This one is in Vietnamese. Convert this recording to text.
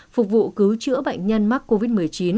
phục vụ cứu chữa bệnh nhân mắc covid một mươi chín